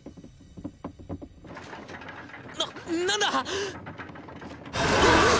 なっ何だ？